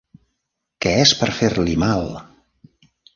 Què és per fer-li mal!